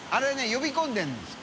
呼び込んでるんですよ。